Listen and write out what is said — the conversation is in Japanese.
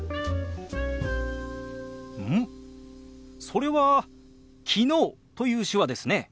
それは「昨日」という手話ですね。